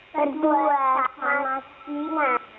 berdua sama gina